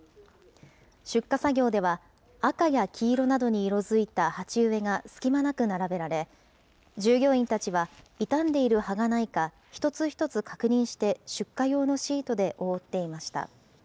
出荷作業では、赤や黄色などに色づいた鉢植えが隙間なく並べられ、従業員たちは傷んでいる葉がないか、一つ一つ確認して出荷用のシートで覆っていました。